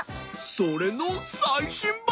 それのさいしんばん！